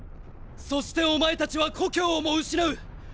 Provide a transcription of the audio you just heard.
そしてお前たちは故郷をも失う！！